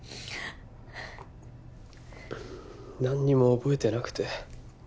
何にも覚えてなくて